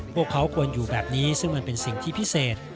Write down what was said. พวกเขาควรอยู่แบบนี้ซึ่งมันเป็นสิ่งที่พิเศษ